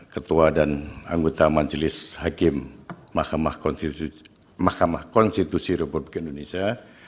ketua dan anggota majelis hakim mahkamah konstitusi republik indonesia